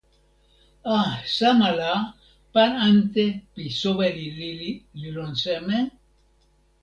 a, sama la, pan ante pi soweli lili li lon seme?